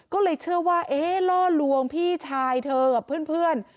ก็เลยเชื่อว่าเอ๊ะล่อลวงพี่ชายเธอกับเพื่อน